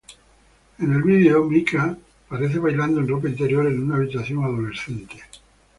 En el video, Mika aparece bailando en ropa interior en una habitación adolescente.